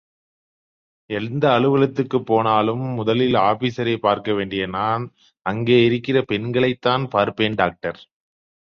எந்த அலுவலகத்திற்குப் போனாலும், முதலில் ஆபீஸரைப் பார்க்க வேண்டிய நான் அங்கே இருக்கிற பெண்களைத்தான் பார்ப்பேன் டாக்டர்!